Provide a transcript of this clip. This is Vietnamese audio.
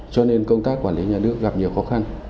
cho nên công tác quản lý nhà nước gặp nhiều khó khăn